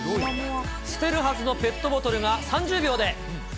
捨てるはずのペットボトルが３０秒で。